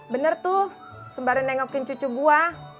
bener tuh kemarin nengokin cucu gua